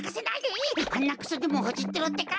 はなくそでもほじってろってか！